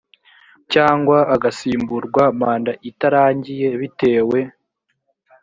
cyangwa agasimburwa manda itarangiye bitewe